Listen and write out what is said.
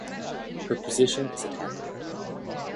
Her position is attacker.